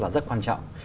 là rất quan trọng